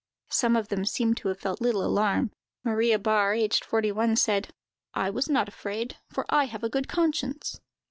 Some of them seem to have felt little alarm; Maria Bar, aged forty one, said: "I was not afraid, for I have a good conscience."